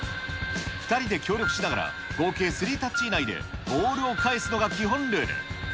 ２人で協力しながら、合計３タッチ以内でボールを返すのが基本ルール。